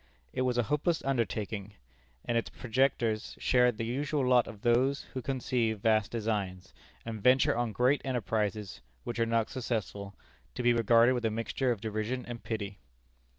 It was a hopeless undertaking; and its projectors shared the usual lot of those who conceive vast designs, and venture on great enterprises, which are not successful, to be regarded with a mixture of derision and pity.